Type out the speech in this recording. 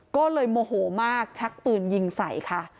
ก็เลยโมโหมากชักปืนยิงใส่ค่ะ